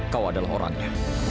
kau adalah orangnya